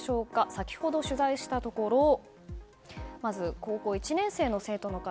先ほど取材したところまず高校１年生の生徒の方